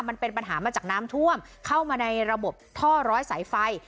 มันเป็นปัญหามาจากน้ำท่วมเข้ามาในระบบท่อร้อยสายไฟ